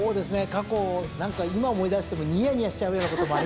過去何か今思い出してもニヤニヤしちゃうようなこともありましたね。